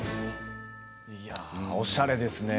おしゃれですね。